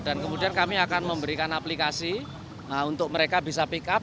dan kemudian kami akan memberikan aplikasi untuk mereka bisa pick up